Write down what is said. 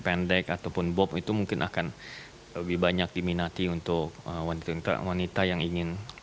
pendek ataupun bob itu mungkin akan lebih banyak diminati untuk wanita wanita yang ingin